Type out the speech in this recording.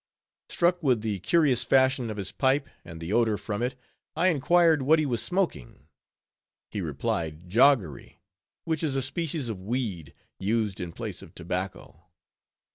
Struck with the curious fashion of his pipe, and the odor from it, I inquired what he was smoking; he replied "Joggerry," which is a species of weed, used in place of tobacco.